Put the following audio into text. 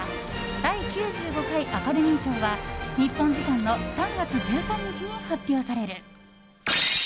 第９５回アカデミー賞は日本時間の３月１３日に発表される。